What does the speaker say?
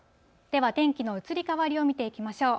では、天気の移り変わりを見ていきましょう。